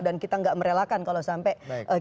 dan kita nggak merelakan kalau sampai